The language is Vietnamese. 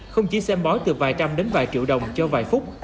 không chỉ xem bói từ vài trăm đến vài triệu đồng cho vài phút